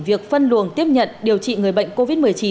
việc phân luồng tiếp nhận điều trị người bệnh covid một mươi chín